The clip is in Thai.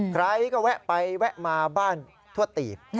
ใครก็แวะไปแวะมาบ้านทั่วตีบ